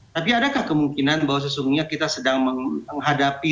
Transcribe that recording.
tapi adakah kemungkinan bahwa sesungguhnya kita sedang menghadapi